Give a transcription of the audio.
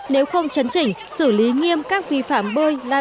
nếu không chấn chỉnh xử lý nghiêm các vi phạm bơi